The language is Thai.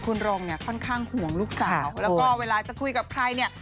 คุณรงเนี่ยค่อนข้างห่วงลูกสาวแล้วก็เวลาจะคุยกับใครเนี่ย